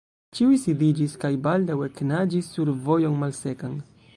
Ĉiuj sidiĝis kaj baldaŭ eknaĝis sur vojon malsekan.